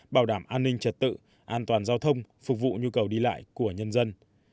bảo đảm an ninh trật tự an toàn giao thông phục vụ nhu cầu đi lại của nhân dân